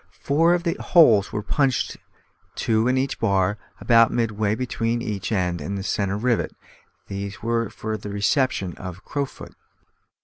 Four other holes were punched, two in each bar, about midway between each end and the centre rivet; these were for the reception of a crowfoot.